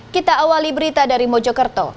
kita awali berita dari mojokerto